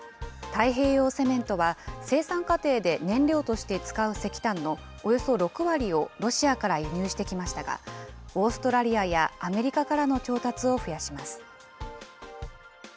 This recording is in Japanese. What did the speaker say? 太平洋セメントは、生産過程で燃料として使う石炭のおよそ６割をロシアから輸入してきましたが、オーストラリアやアメリカからの調達を増やします。